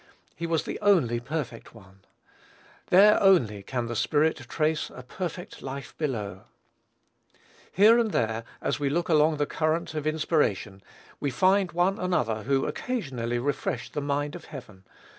He was the only perfect One. "There only can the Spirit trace a perfect life below." Here and there, as we look along the current of inspiration, we find one and another who occasionally refreshed the mind of heaven.